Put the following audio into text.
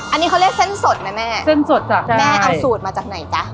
อันนี้เขาเรียกเส้นสดนะแม่เส้นสดจากแม่เอาสูตรมาจากไหนจ๊ะ